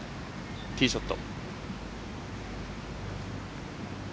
ティーショット。